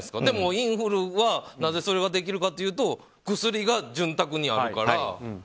でもインフルはなぜそれができるかというと薬が潤沢にあるから。